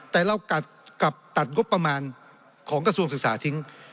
แต่เรากัดกับตัดงบประมาณของกระทรวงศึกษาทิ้ง